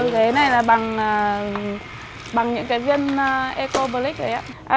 ghế này là bằng những cái viên eco plex đấy ạ